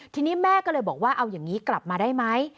ทีนี้แม่ก็เลยบอกว่าเอาอย่างนี้กลับมาได้ไหม